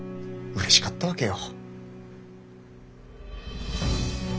・うれしかったわけよ。